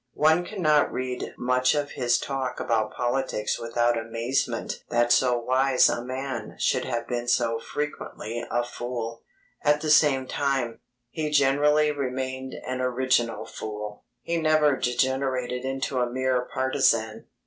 One cannot read much of his talk about politics without amazement that so wise a man should have been so frequently a fool. At the same time, he generally remained an original fool. He never degenerated into a mere partisan.